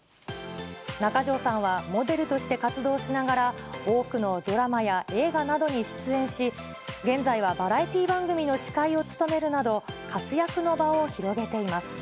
中条さんはモデルとして活動しながら、多くのドラマや映画などに出演し、現在はバラエティー番組の司会を務めるなど、活躍の場を広げています。